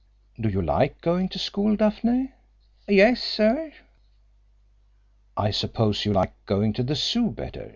"Do you like going to school, Daphne?" "Yes, sir." "I suppose you like going to the Zoo better?